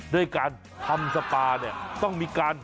ด้วยการทำสปาเนี่ยต้องมีการ